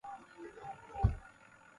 سی جرِیوئے پھپٹ بِلُن۔